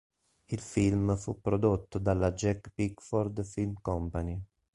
Il film fu prodotto dalla Jack Pickford Film Company.